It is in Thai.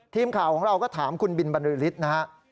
ทีมข่าวของเราก็ถามคุณบินบรรลือฤทธิ์นะฮะ